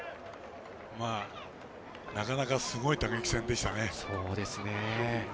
なかなかすごい打撃戦でしたね。